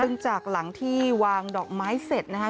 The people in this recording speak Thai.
ซึ่งจากหลังที่วางดอกไม้เสร็จนะคะ